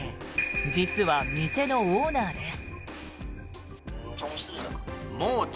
実は店のオーナーです。